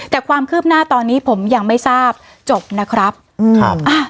แต่ความคืบหน้าตอนนี้ผมยังไม่ทราบจบนะครับอืมครับอ่ะ